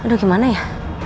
aduh gimana ya